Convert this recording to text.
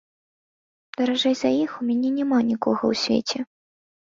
Даражэй за іх у мяне няма нікога ў свеце.